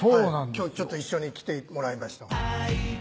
今日一緒に来てもらいました